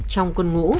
trong quân ngũ